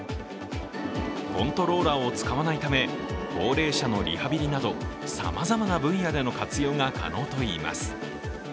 コントローラーを使わないため、高齢者のリハビリなどさまざまな分野での活用が可能といいます。